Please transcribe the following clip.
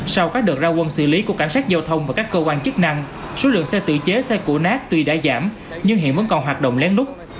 sau các đợt ra quân xử lý của cảnh sát giao thông và các cơ quan chức năng số lượng xe tự chế xe củ nát tuy đã giảm nhưng hiện vẫn còn hoạt động lén lút